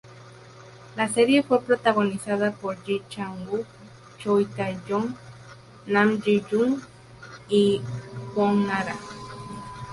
La serie fue protagonizada por Ji Chang-wook, Choi Tae-joon, Nam Ji-hyun y Kwon Nara.